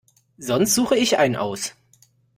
Sonst suche ich einen aus.